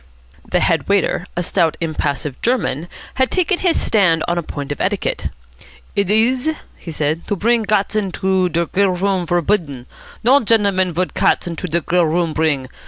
The head waiter, a stout impassive German, had taken his stand on a point of etiquette. "Id is," he said, "to bring gats into der grill room vorbidden. No gendleman would gats into der grill room bring.